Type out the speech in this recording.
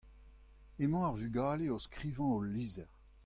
emañ ar vugale o skrivañ ul lizher.